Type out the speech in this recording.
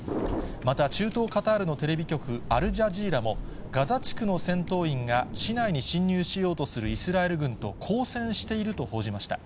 また、中東カタールのテレビ局、アルジャジーラも、ガザ地区の戦闘員が市内に侵入しようとするイスラエル軍と交戦していると報じました。